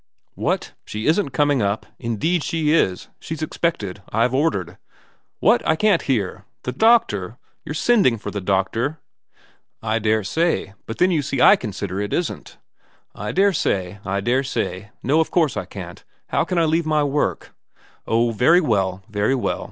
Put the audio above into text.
' What ? She isn't coming up ? Indeed she is. She's expected. I've ordered '' What ? I can't hear. The doctor ? You're sending for the doctor ?'' I daresay. But then you see I consider it isn't.' ' I daresay, I daresay. No, of course I can't. How can I leave my work '' Oh, very well, very well.